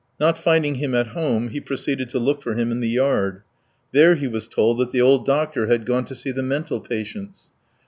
Not finding him at home, he proceeded to look for him in the yard; there he was told that the old doctor had gone to see the mental patients.